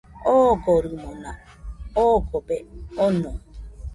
Ogorimona ogobe ono.